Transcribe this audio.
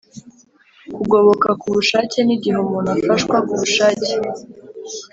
Kugoboka ku bushake ni igihe umuntu afashwa ku bushake